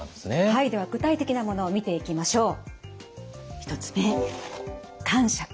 はいでは具体的なものを見ていきましょう。